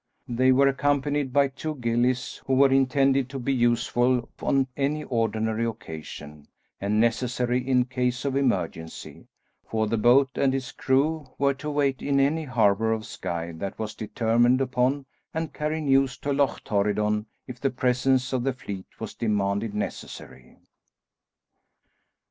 They were accompanied by two gillies, who were intended to be useful on any ordinary occasion, and necessary in case of emergency, for the boat and its crew were to wait in any harbour of Skye that was determined upon and carry news to Loch Torridon if the presence of the fleet was deemed necessary.